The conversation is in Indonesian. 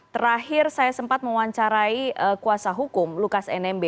terakhir saya sempat mewawancarai kuasa hukum lukas nmb